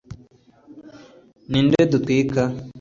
ninde dutwika